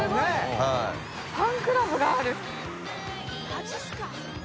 すごい！ファンクラブがある。